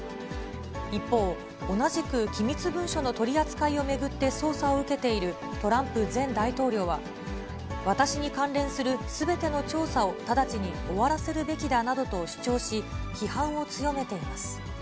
一方、同じく機密文書の取り扱いを巡って捜査を受けているトランプ前大統領は、私に関連するすべての調査を直ちに終わらせるべきだなどと主張し、批判を強めています。